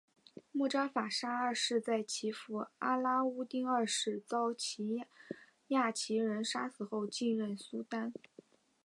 慕扎法沙二世在其父阿拉乌丁二世遭亚齐人杀死后继任苏丹。